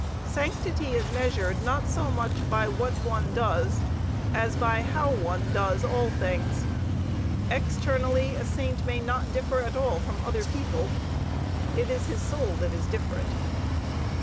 Sanctity is measured not so much by what one does as by how one does all things. Externally a saint may not differ at all from other people. It is his soul that is different.